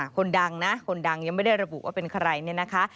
คนดังนะคนดังยังไม่ได้ระบุว่าเป็นใครเนี่ยนะคะ